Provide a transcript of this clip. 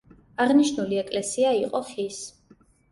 აღნიშნული ეკლესია იყო ხის.